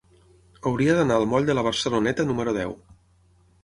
Hauria d'anar al moll de la Barceloneta número deu.